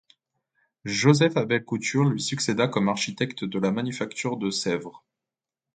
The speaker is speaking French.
Joseph-Abel Couture lui succéda comme architecte de la manufacture de Sèvres.